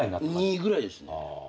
２ぐらいですね。